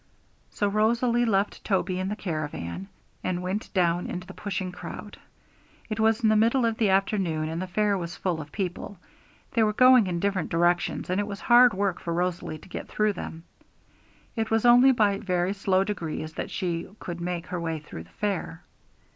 So Rosalie left Toby in the caravan, and went down into the pushing crowd. It was in the middle of the afternoon, and the fair was full of people. They were going in different directions, and it was hard work for Rosalie to get through them. It was only by very slow degrees that she could make her way through the fair.